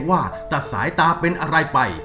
ควันมันก็จะเข้าตามาประมาณ๒๐ปี